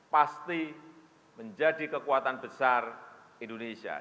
pasti menjadi kekuatan besar indonesia